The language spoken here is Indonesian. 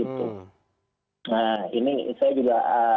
nah ini saya juga